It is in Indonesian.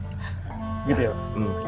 gitu ya pak